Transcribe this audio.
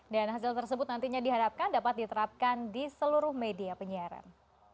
dan hasil tersebut nantinya dihadapkan dapat diterapkan di seluruh media penyiaran